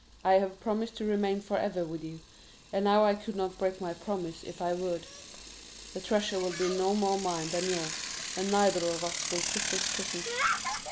I have promised to remain forever with you, and now I could not break my promise if I would. The treasure will be no more mine than yours, and neither of us will quit this prison.